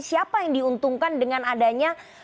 siapa yang diuntungkan dengan adanya